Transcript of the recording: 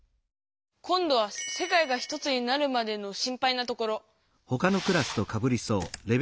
今どは「世界がひとつになるまで」の「心配なところ」。